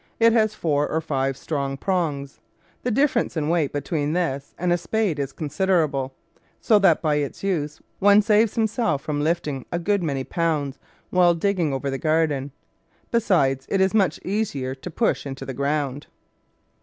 It has four or five strong prongs. The difference in weight between this and a spade is considerable, so that by its use one saves himself from lifting a good many pounds while digging over the garden. Besides, it is much easier to push into the ground.